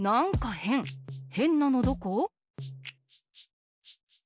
へんなのどこ？